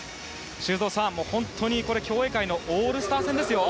修造さん、本当に競泳界のオールスター戦ですよ。